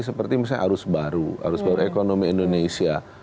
seperti misalnya arus baru arus baru ekonomi indonesia